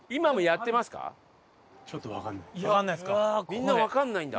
みんなわかんないんだ。